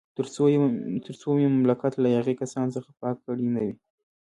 تر څو مې مملکت له یاغي کسانو څخه پاک کړی نه وي.